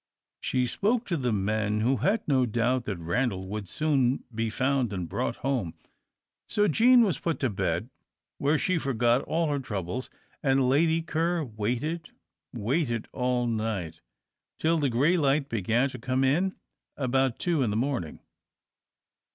She spoke to the men, who had no doubt that Randal would soon be found and brought home. So Jean was put to bed, where she forgot all her troubles; and Lady Ker waited, waited, all night, till the grey light began to come in, about two in the morning.